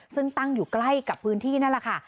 ซึ่งตั้งอยู่ใกล้กับพื้นที่นั่นแหละค่ะ